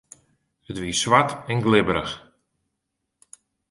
It wie swart en glibberich.